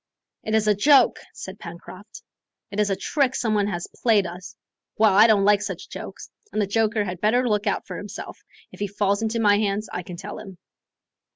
"It is a joke," said Pencroft; "it is a trick some one has played us. Well, I don't like such jokes, and the joker had better look out for himself, if he falls into my hands, I can tell him."